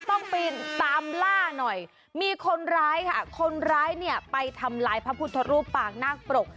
ต้องไปตามล่าหน่อยมีคนร้ายค่ะคนร้ายเนี่ยไปทำลายพระพุทธรูปปางนาคปรก